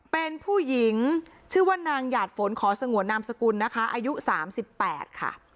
เป็นผู้หญิงชื่อว่านางหยาดฝนขอสงวนนามสกุลนะคะอายุ๓๘ค่ะ